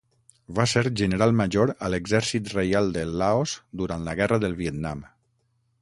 Va ser general major a l'Exèrcit Reial del Laos durant la Guerra del Vietnam.